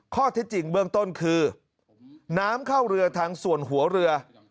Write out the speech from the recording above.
ข้อเท็จจริงเบื้องต้นคือน้ำเข้าเรือทางส่วนหัวเรือ